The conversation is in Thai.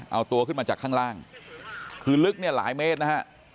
เอาตัวขึ้นมาจากข้างล่างคือลึกเนี่ยหลายเมตรนะฮะ